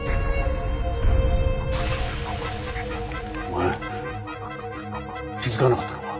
お前気づかなかったのか？